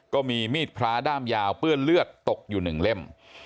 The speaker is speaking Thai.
ก็มีมีดพระด้ามยาวเปื้อนเลือดตกอยู่๑เล่ม